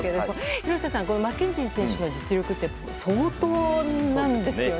廣瀬さん、マッケンジー選手の実力って相当なんですよね。